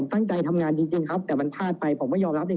ไม่มีครับผมให้อย่างเดียวคือช่วยทำบุญงานส่งไป๓๐๐๐๐บาทครับเท่านี้ครับ